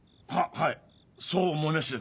はいそう思いまして。